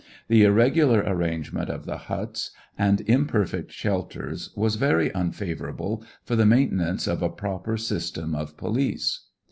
The irregular arrangement of the huts and imperfect shelters was very unfavorable for the main tenance of a proper system of police.